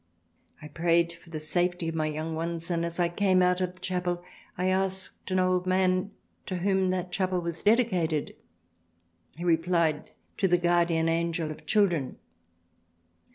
I prayed for the safety of my young ones and as I came out of the 24 THRALIANA Chapel I asked an old Man to whom that Chapel was dedicated — he replied — to the Guardian Angel of Children.